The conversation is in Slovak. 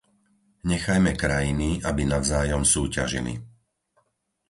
Nechajme krajiny, aby navzájom súťažili.